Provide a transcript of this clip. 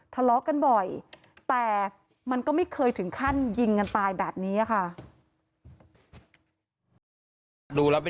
ทะเลาะกันบ่อยแต่มันก็ไม่เคยถึงขั้นยิงกันตายแบบนี้ค่ะ